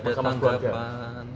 tidak ada tanggapan